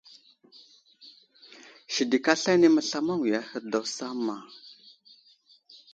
Sidik aslane məslamaŋwiya ahe daw samma.